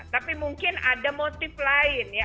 tapi mungkin ada motif lain ya